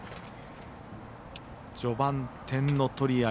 序盤、点の取り合い